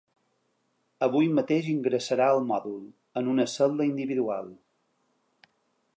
Avui mateix ingressarà al mòdul, en una cel·la individual.